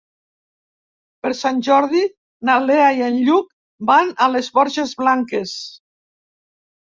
Per Sant Jordi na Lea i en Lluc van a les Borges Blanques.